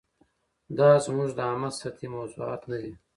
دا زموږ د عامه سطحې موضوعات نه دي.